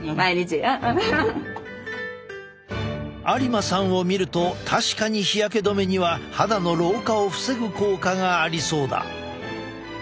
有馬さんを見ると確かに日焼け止めには肌の老化を防ぐ効果がありそうだ。